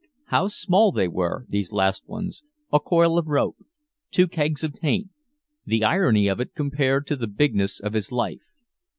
How small they were, these last ones, a coil of rope, two kegs of paint the irony of it compared to the bigness of his life.